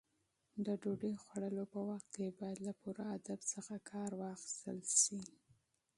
د ډوډۍ خوړلو په وخت کې باید له پوره ادب څخه کار واخیستل شي.